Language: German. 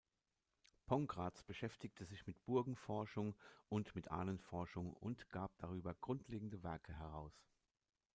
Pongratz beschäftigte sich mit Burgenforschung und mit Ahnenforschung und gab darüber grundlegende Werke heraus.